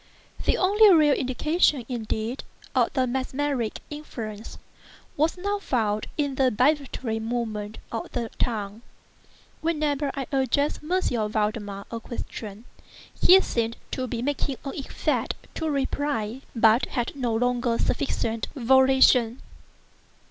The only real indication, indeed, of the mesmeric influence, was now found in the vibratory movement of the tongue, whenever I addressed M. Valdemar a question. He seemed to be making an effort to reply, but had no longer sufficient volition.